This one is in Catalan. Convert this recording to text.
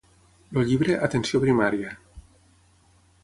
El llibre Atenció Primària.